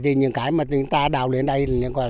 thì những cái mà chúng ta đào lên đây